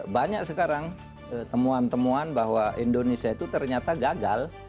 banyak sekarang temuan temuan bahwa indonesia itu ternyata gagal